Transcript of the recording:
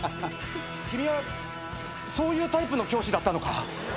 君はそういうタイプの教師だったのか。